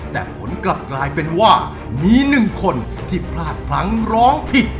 แต่ผลกลับกลายเป็นว่ามีหนึ่งคนที่พลาดพลั้งร้องผิด